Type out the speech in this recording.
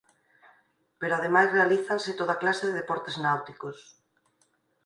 Pero ademais realízanse toda clase de deportes náuticos.